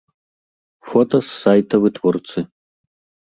Фота з сайта вытворцы.